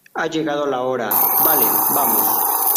ha llegado la hora. vale, vamos .